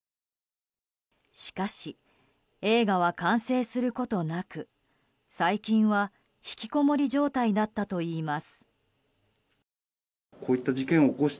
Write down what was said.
しかし映画は完成することなく最近は、ひきこもり状態だったといいます。